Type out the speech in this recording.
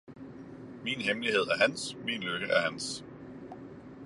min hemmelighed er hans, min lykke er hans!